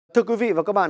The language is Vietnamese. thưa quý vị và các bạn